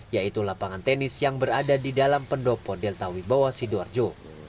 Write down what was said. yaitu lapangan tenis yang berada di dalam pendopo delta wibawa sidoarjo